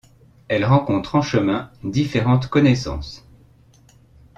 Elle rencontre en chemin différentes connaissances.